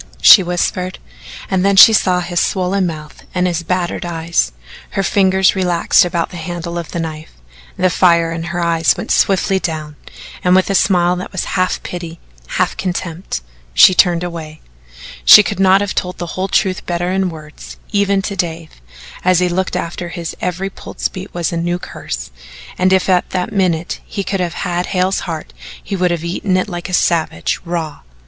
she whispered, and then she saw his swollen mouth and his battered eye. Her fingers relaxed about the handle of the knife, the fire in her eyes went swiftly down, and with a smile that was half pity, half contempt, she turned away. She could not have told the whole truth better in words, even to Dave, and as he looked after her his every pulse beat was a new curse, and if at that minute he could have had Hale's heart he would have eaten it like a savage raw.